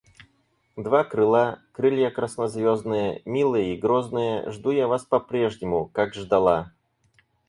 Два крыла, Крылья краснозвездные, Милые и грозные, Жду я вас по-прежнему, Как ждала.